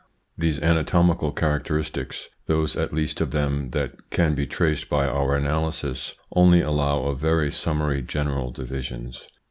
These anatomical characteristics, those at least of them that can be traced by our analysis, only allow of very summary general divisions.